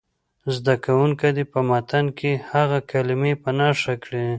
زده کوونکي دې په متن کې هغه کلمې په نښه کړي.